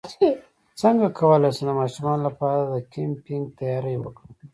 څنګه کولی شم د ماشومانو لپاره د کیمپینګ تیاری وکړم